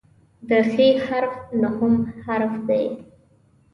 د "خ" حرف نهم حرف دی.